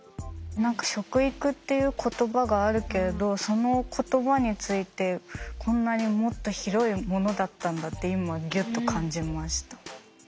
何か食育っていう言葉があるけれどその言葉についてこんなにもっと広いものだったんだって今ギュッと感じました。